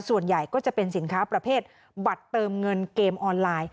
ส่วนใหญ่ก็จะเป็นสินค้าประเภทบัตรเติมเงินเกมออนไลน์